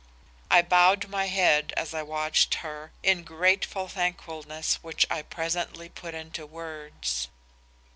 I bowed my head as I watched her, in grateful thankfulness which I presently put into words.